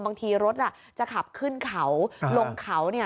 บางทีรถจะขับขึ้นเขาลงเขา